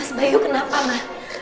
mas bayu kenapa ma